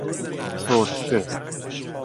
چرتکه